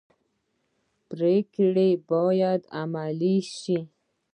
پریکړې باید عملي شي